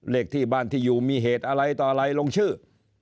เลขที่บ้านที่อยู่มีเหตุอะไรต่ออะไรลงชื่อ